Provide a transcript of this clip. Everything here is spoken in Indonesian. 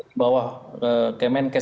di bawah kemenkes